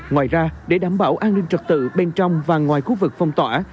ngoài ra để đảm bảo an ninh trật tự bên trong và ngoài khu vực phong tỏa